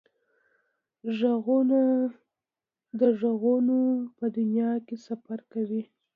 غوږونه د غږونو په دنیا کې سفر کوي